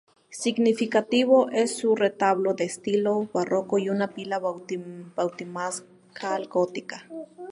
Significativo es su retablo de estilo barroco y una pila bautismal gótica.